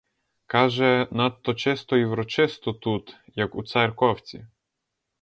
Каже, надто чисто і врочисто тут, як у церковці.